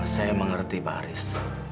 saya mengerti pak aris